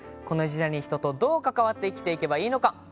「この時代に人とどう関わって生きていけばいいのか？」